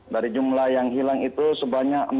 dari jumlah yang hilang itu sebanyak enam puluh tujuh orang